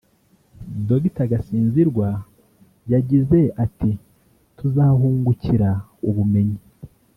Dr Gasinzirwa yagize ati “Tuzahungukira ubumenyi